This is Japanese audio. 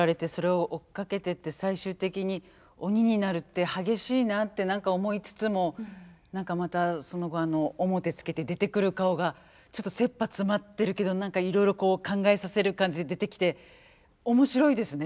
最終的に鬼になるって激しいなって何か思いつつも何かまたその面つけて出てくる顔がちょっとせっぱ詰まってるけど何かいろいろこう考えさせる感じで出てきて面白いですね